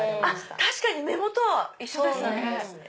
確かに目元は一緒ですね。